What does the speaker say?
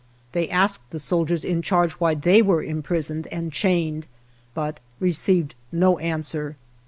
They asked the soldiers in charge why they were imprisoned and chained, but received no answer.